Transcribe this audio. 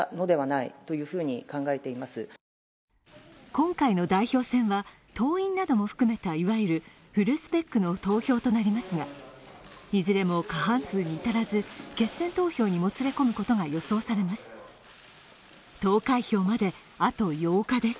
今回の代表選は、党員なども含めたいわゆるフルスペックの投票となりますがいずれも過半数に至らず決選投票にもつれ込むことが予想されます。